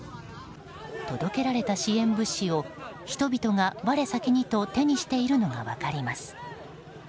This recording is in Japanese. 届けられた支援物資を人々が我先にと手にしているのが分かります。